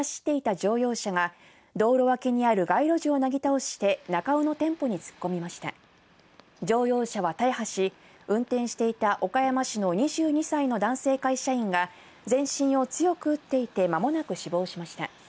乗用車は大破し、運転していた岡山市の２２歳の男性会社員が、全身を強く打っていて、まもなく死亡しました。